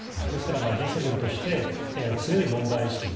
ですから、Ｇ７として強い問題意識